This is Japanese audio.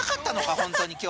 本当に今日。